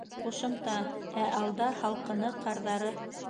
Ҡушымта: Ә алда — һалҡыны, ҡарҙары.